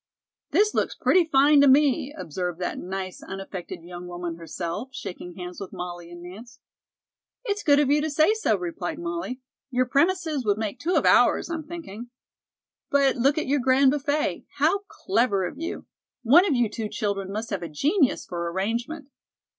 "This looks pretty fine to me," observed that nice, unaffected young woman herself, shaking hands with Molly and Nance. "It's good of you to say so," replied Molly. "Your premises would make two of our's, I'm thinking." "But, look at your grand buffet. How clever of you! One of you two children must have a genius for arrangement."